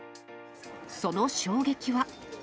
その衝撃は。